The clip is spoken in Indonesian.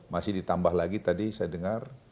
masih ditambah lagi tadi saya dengar